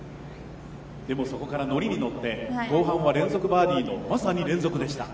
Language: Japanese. でも、そこから乗りに乗って、後半は連続バーディーの、まさに連続でした。